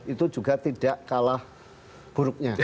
itu juga tidak kalah buruknya